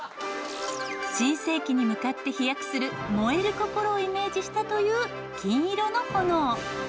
新世紀に向かって飛躍する燃える心をイメージしたという金色の炎。